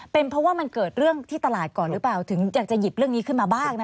เป็นเพราะว่ามันเกิดเรื่องที่ตลาดก่อนหรือเปล่าถึงอยากจะหยิบเรื่องนี้ขึ้นมาบ้าง